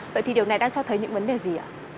vậy thì điều này đang cho thấy những vấn đề gì ạ